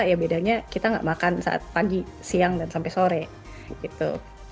ya bedanya kita nggak makan saat pagi siang dan sampai sore gitu